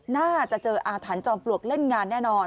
น่าจะเจออาถรรพ์จอมปลวกเล่นงานแน่นอน